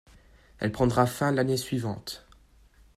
Elle prendra fin l'année suivante.